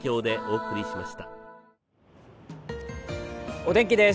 お天気です。